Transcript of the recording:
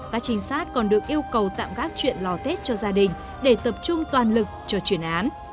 các trinh sát còn được yêu cầu tạm gác chuyện lò tết cho gia đình để tập trung toàn lực cho chuyển án